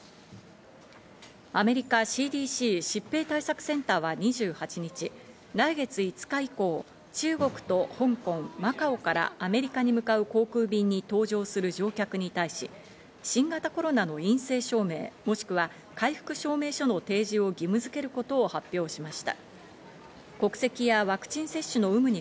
アメリカＣＤＣ＝疾病対策センターは２８日、来月５日以降、中国と香港、マカオからアメリカに向かう航空便に搭乗する乗客に対し、新型コロナの陰性証明、もしくは回復証明書の提示を義務づけることを発表しました。